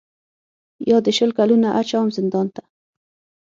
یا دي شل کلونه اچوم زندان ته